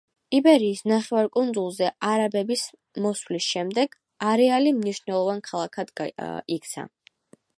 იბერიის ნახევარკუნძულზე არაბების მოსვლის შემდეგ, არეალი მნიშვნელოვან ქალაქად იქცა.